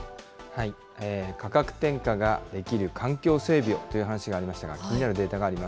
価格転嫁ができる環境整備をという話がありましたが、気になるデータがあります。